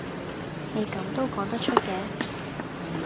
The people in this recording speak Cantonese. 你咁都講得出嘅